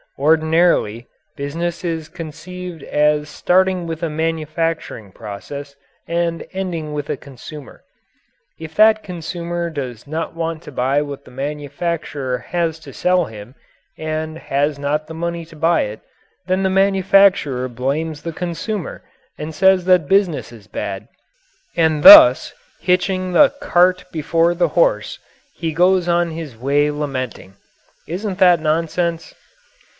Ordinarily, business is conceived as starting with a manufacturing process and ending with a consumer. If that consumer does not want to buy what the manufacturer has to sell him and has not the money to buy it, then the manufacturer blames the consumer and says that business is bad, and thus, hitching the cart before the horse, he goes on his way lamenting. Isn't that nonsense?